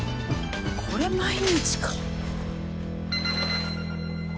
これ毎日か。